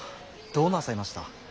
どうなさいました。